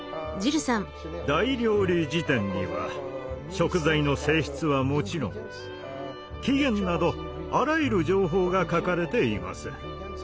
「大料理事典」には食材の性質はもちろん起源などあらゆる情報が書かれています。